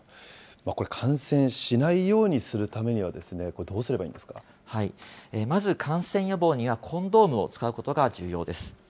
これ、感染しないようにするためにはどうすればいいんですかまず感染予防には、コンドームを使うことが重要です。